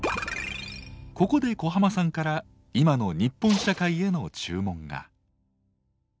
ここで小浜さんから今の日本社会への注文が。